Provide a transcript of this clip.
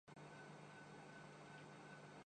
Hillary Clinton فریدی کی سماجی خدمات پر نیک خواہشات